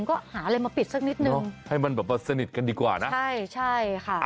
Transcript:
ก็หาอะไรมาปิดสักนิดนึงให้มันแบบว่าสนิทกันดีกว่านะใช่ใช่ค่ะ